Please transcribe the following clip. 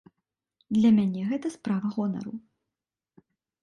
Для мяне гэта справа гонару.